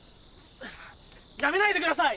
やめないでください！